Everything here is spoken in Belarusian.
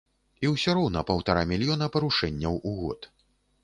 І ўсё роўна паўтара мільёна парушэнняў у год.